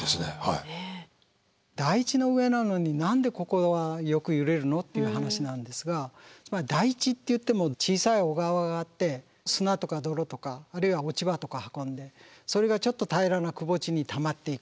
台地の上なのに何でここはよく揺れるの？っていう話なんですが台地っていっても小さい小川があって砂とか泥とかあるいは落ち葉とか運んでそれがちょっと平らなくぼ地にたまっていくと。